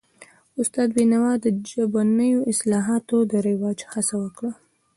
استاد بینوا د ژبنیو اصطلاحاتو د رواج هڅه وکړه.